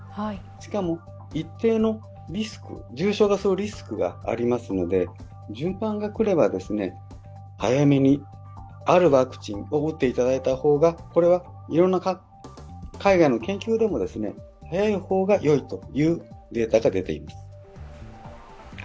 しかも、一定のリスク、重症化するリスクがありますので順番が来れば早めに、あるワクチンを打っていただいた方がこれはいろんな海外の研究でも早い方がよいというデータが出ています。